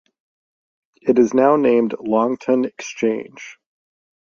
It is now named Longton Exchange.